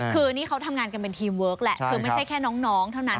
คือนี่เขาทำงานกันเป็นทีมเวิร์คแหละคือไม่ใช่แค่น้องเท่านั้น